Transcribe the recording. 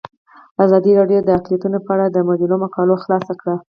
ازادي راډیو د اقلیتونه په اړه د مجلو مقالو خلاصه کړې.